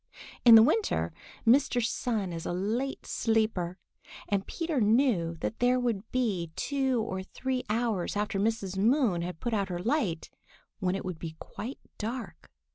In the winter, Mr. Sun is a late sleeper, and Peter knew that there would be two or three hours after Mrs. Moon put out her light when it would be quite dark.